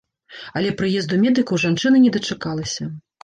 Але прыезду медыкаў жанчына не дачакалася.